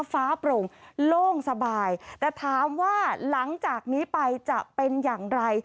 ฟ้าโปร่งโล่งสบายแต่ถามว่าหลังจากนี้ไปจะเป็นอย่างไร